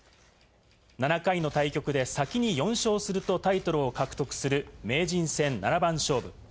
７回の対局で先に４勝するとタイトルを獲得する名人戦七番勝負。